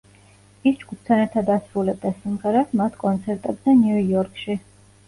ის ჯგუფთან ერთად ასრულებდა სიმღერას მათ კონცერტებზე ნიუ-იორკში.